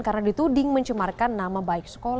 karena dituding mencemarkan nama baik sekolah